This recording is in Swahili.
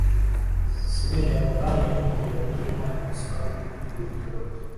Sehemu ya kombania ya nyuma ilirudi nyuma na kusimama kwenye kilima kidogo